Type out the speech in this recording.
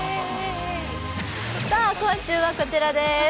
今週はこちらです。